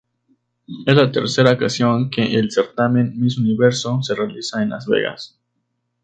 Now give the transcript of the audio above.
Es la tercera ocasión que el certamen "Miss Universo" se realiza en Las Vegas.